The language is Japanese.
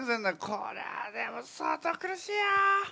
これはでも相当苦しいよ。